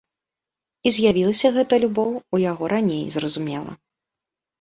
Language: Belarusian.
І з'явілася гэтая любоў у яго раней, зразумела.